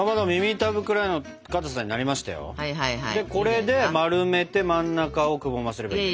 これで丸めて真ん中をくぼませればいいの？